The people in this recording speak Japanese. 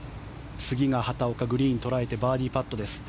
次が畑岡、グリーンを捉えてバーディーパットです。